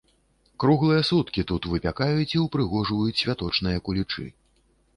Круглыя суткі тут выпякаюць і ўпрыгожваюць святочныя кулічы.